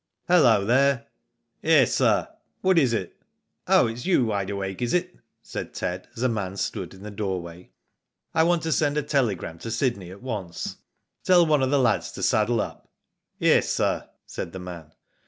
"Hallo there!" " Yes, sir, what is it ?" "Oh, it's you, Wide Awake, is it?" said Ted, as a man stood in the doorway. "I want to send a telegram to Sydney at once. Tell one of the lads to saddle up." "Yes, sir," said the man.